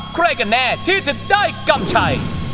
ใครก็แน่ที่จะได้กำใช่